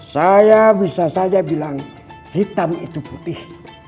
saya bisa saja bilang hitam itu putih